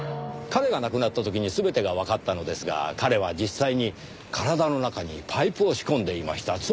彼が亡くなった時に全てがわかったのですが彼は実際に体の中にパイプを仕込んでいました。